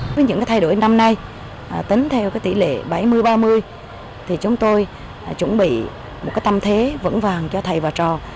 với những thay đổi năm nay tính theo tỷ lệ bảy mươi ba mươi chúng tôi chuẩn bị một tâm thế vững vàng cho thầy và trò